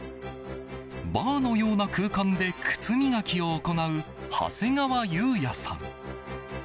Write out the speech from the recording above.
バーのような空間で靴磨きを行う長谷川裕也さん。